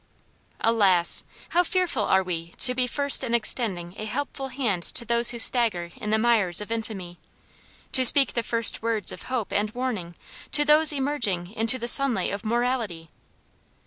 Alas, how fearful are we to be first in extending a helping hand to those who stagger in the mires of infamy; to speak the first words of hope and warning to those emerging into the sunlight of morality!